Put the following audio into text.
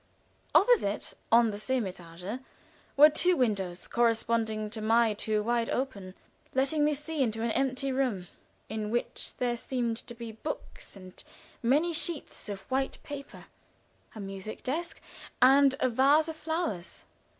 Opposite, on the same étage, were two windows, corresponding to my two, wide open, letting me see into an empty room, in which there seemed to be books and many sheets of white paper, a music desk and a vase of flowers.